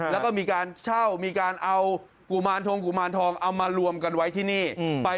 แล้วก็มีการเช่ามีการเอากุมารทงกุมารทองเอามารวมกันไว้ที่นี่